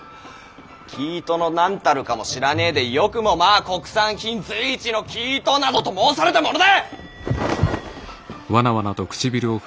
生糸の何たるかも知らねぇでよくもまぁ「国産品随一の生糸」などと申されたものだ！